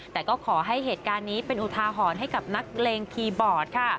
แต่ก็ขอให้เหตุการณ์นี้เป็นอุทาหอนให้กับนักเรียงพี่บอลค่ะ